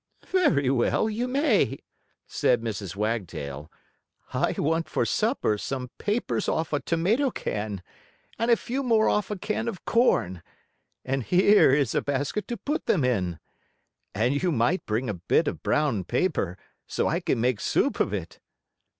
"Very well, you may," said Mrs. Wagtail. "I want for supper some papers off a tomato can, and a few more off a can of corn, and here is a basket to put them in. And you might bring a bit of brown paper, so I can make soup of it."